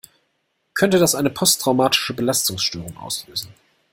Könnte das eine posttraumatische Belastungsstörung auslösen?